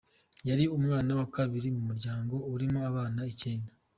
Yari umwana wa kabiri mu muryango urimo abana icyenda.